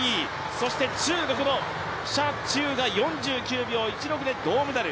そして中国の謝智宇が４９秒１６で銅メダル。